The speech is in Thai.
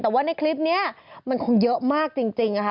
แต่ว่าในคลิปนี้มันคงเยอะมากจริงนะคะ